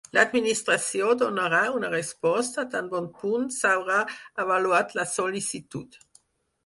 L'Administració donarà una resposta tan bon punt s'haurà avaluat la sol·licitud.